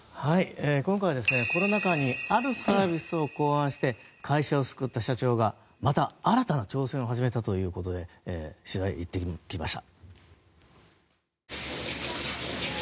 今回はコロナ禍にあるサービスを考案して会社を救った社長がまた新たな挑戦を始めたということで取材に行ってきました。